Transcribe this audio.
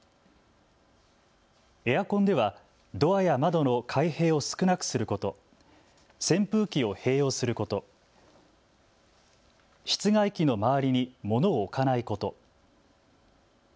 エアコンではドアや窓の開閉を少なくすること、扇風機を併用すること、室外機の周りに物を置かないこと。